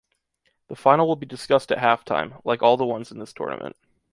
The final will be discussed at halftime, like all the ones in this tournament.